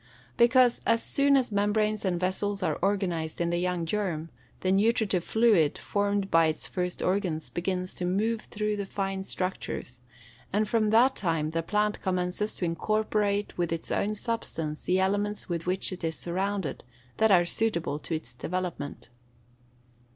_ Because, as soon as membranes and vessels are organised in the young germ, the nutritive fluid, formed by its first organs, begins to move through the fine structures, and from that time the plant commences to incorporate with its own substance the elements with which it is surrounded, that are suitable to its development.